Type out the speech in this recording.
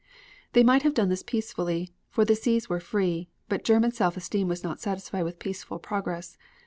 They might have done this peacefully, for the seas were free, but German self esteem was not satisfied with peaceful progress.